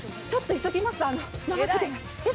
ちょっと急ぎます。